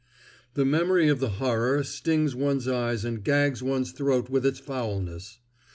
The memory of the horror stings one's eyes and gags one's throat with its foulness.